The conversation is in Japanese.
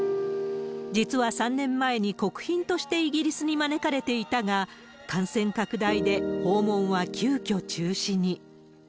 実は３年前に国賓としてイギリスに招かれていたが、感染拡大で訪問は急きょ中止に。